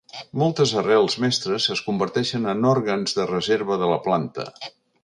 Moltes arrels mestres es converteixen en òrgans de reserva de la planta.